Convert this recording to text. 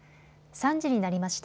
３時になりました。